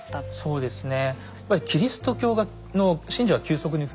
そうですね。